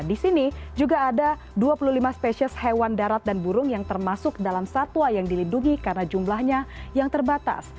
di sini juga ada dua puluh lima spesies hewan darat dan burung yang termasuk dalam satwa yang dilindungi karena jumlahnya yang terbatas